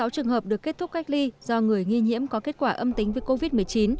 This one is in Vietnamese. sáu trường hợp được kết thúc cách ly do người nghi nhiễm có kết quả âm tính với covid một mươi chín